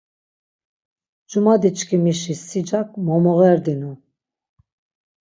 Cumadiçkimişi sicak momoğerdinu.